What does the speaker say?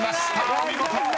お見事！］